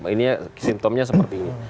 ini simptomnya seperti ini